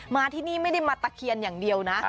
มาที่นี่ไม่ได้มาตะเคียนอย่างเดียวนะ